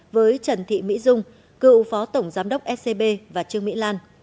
với trần thị mỹ dung cựu phó tổng giám đốc scb và trương mỹ lan